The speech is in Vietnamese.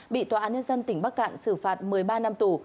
bị tòa án nhân dân tỉnh bắc cạn xử phạt một mươi ba năm tù